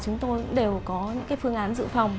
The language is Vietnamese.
chúng tôi đều có những cái phương án giữ phòng